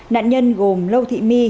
nạn nhân gồm lâu thị my